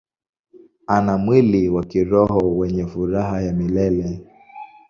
Ana mwili wa kiroho wenye furaha ya milele.